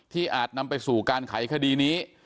อาจนำไปสู่การไขคดีนี้